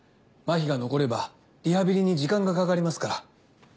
麻痺が残ればリハビリに時間がかかりますから。